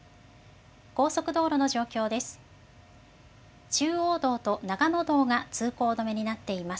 高速道路の状況です。